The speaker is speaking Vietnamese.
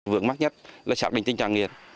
vướng mắc nhất là xác định tình trạng nghiện